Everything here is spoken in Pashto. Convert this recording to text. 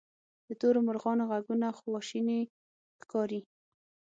د تورو مرغانو ږغونه خواشیني ښکاري.